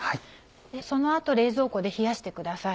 その後冷蔵庫で冷やしてください。